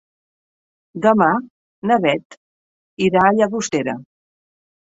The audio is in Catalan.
Demà na Beth irà a Llagostera.